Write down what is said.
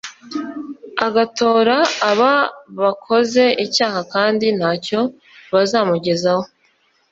agatora aba bakoze icyaha kandi ntacyo bazamugezaho